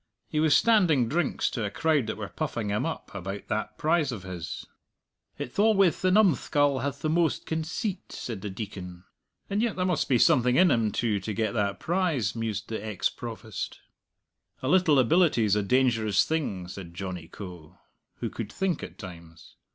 "He was standing drinks to a crowd that were puffing him up about that prize o' his." "It's alwayth the numskull hath the most conceit," said the Deacon. "And yet there must be something in him too, to get that prize," mused the ex Provost. "A little ability's a dangerous thing," said Johnny Coe, who could think at times.